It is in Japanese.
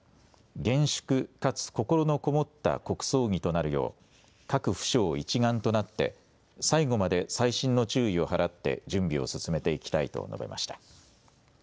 厳粛かつ心のこもった国葬儀となるよう各府省一丸となって最後まで細心の注意を払って準備を進めていきたいと述べました。